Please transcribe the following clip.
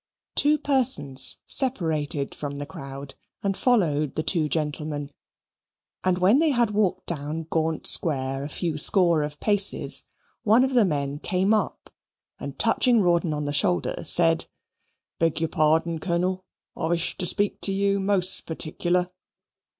Two persons separated from the crowd and followed the two gentlemen; and when they had walked down Gaunt Square a few score of paces, one of the men came up and, touching Rawdon on the shoulder, said, "Beg your pardon, Colonel, I vish to speak to you most particular."